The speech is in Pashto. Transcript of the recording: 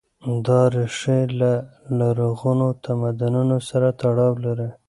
دا ريښې له لرغونو تمدنونو سره تړاو لري.